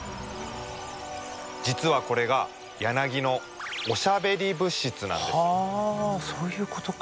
実はこれがヤナギのそういうことか。